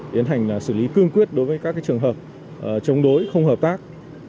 tiến hành xử lý cương quyết đối với các trường hợp chống đối không hợp tác